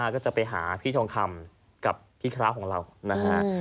ก็จะไปหาพี่ทองคำกับพี่คร้าวของเรานะฮะ